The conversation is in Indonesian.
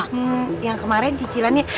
hmm yang kemarin cicilannya